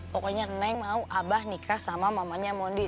pokoknya neng mau abah nikah sama mamanya mondi